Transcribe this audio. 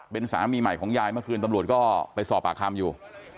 เป็นสามีใหม่ของยายเมื่อคืนตำรวจก็ไปสอบปากคำอยู่